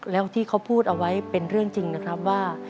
แล้วที่เขาพูดเอาไว้เป็นเรื่องจริงนะครับว่า